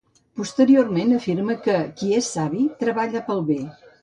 Posteriorment afirma que qui és savi treballa per al bé.